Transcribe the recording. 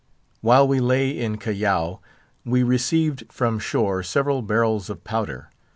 While we lay in Callao, we received from shore several barrels of powder.